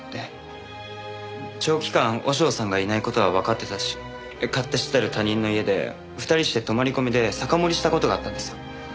長期間和尚さんがいない事はわかってたし勝手知ったる他人の家で２人して泊まり込みで酒盛りした事があったんですよ。